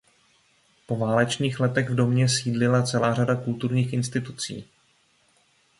Po válečných letech v domě sídlila celá řada kulturních institucí.